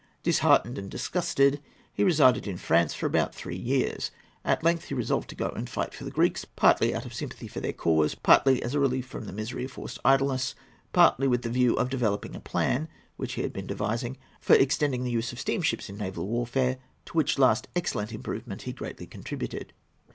Disheartened and disgusted, he resided in France for about three years. At length he resolved to go and fight for the Greeks, partly out of sympathy for their cause, partly as a relief from the misery of forced idleness, partly with the view of developing a plan which he had been devising for extending the use of steamships in naval warfare,—to which last excellent improvement he greatly contributed.